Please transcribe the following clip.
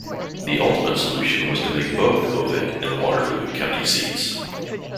The ultimate solution was to make both Ovid and Waterloo county seats.